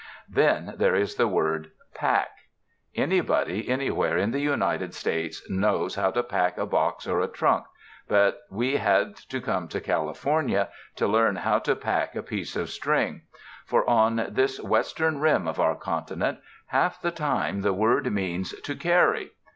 Then there is the word "pack." Anybody any where in the United States, knows how to pack a box or a trunk, but we had to come to California to learn how to pack a piece of string; for on this western rim of our continent, half the time the word means "to carry."